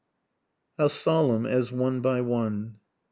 HOW SOLEMN AS ONE BY ONE.